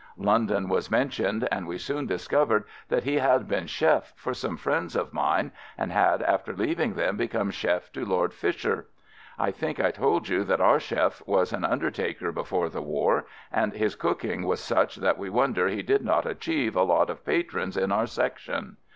London was mentioned and we soon discovered that he had been chef for some friends of mine and had after leaving them become chef to Lord Fisher. I think I told you that our chef was an undertaker before the war, and his cooking was such that we wonder he did not achieve a lot of patrons in our Section.